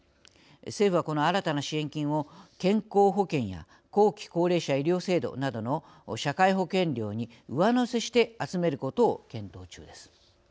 政府はこの新たな支援金を健康保険や後期高齢者医療制度などの社会保険料に上乗せして集めることを検討中です。